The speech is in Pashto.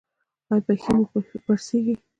ایا پښې مو پړسیږي؟